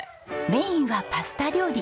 メインはパスタ料理。